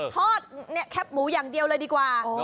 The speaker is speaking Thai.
ทอดแคบหมูอย่างเดียวเลยดีกว่า